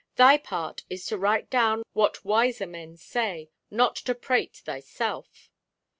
"Thy part is to write down what wiser men say, not to prate thyself."